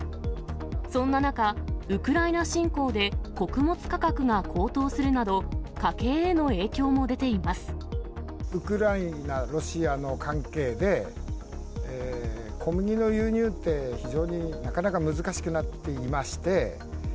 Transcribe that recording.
そんな中、ウクライナ侵攻で、穀物価格が高騰するなど、家計への影響も出てウクライナ、ロシアの関係で、小麦の輸入って非常になかなか難しくなっていまして。